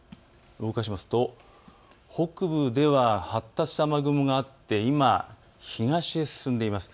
動かすと北部では発達した雨雲があって今、東へ進んでいます。